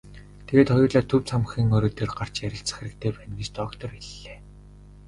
Тэгээд хоёулаа төв цамхгийн орой дээр гарч ярилцах хэрэгтэй байна гэж доктор хэллээ.